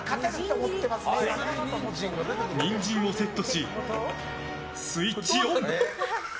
ニンジンをセットしスイッチオン。